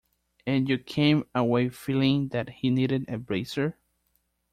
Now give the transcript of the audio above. And you came away feeling that he needed a bracer?